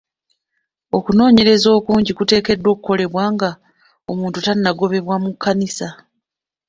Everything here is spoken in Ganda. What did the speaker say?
Okunoonyereza okungi kuteekeddwa okukolebwa nga omuntu tannagobebwa mu kkanisa.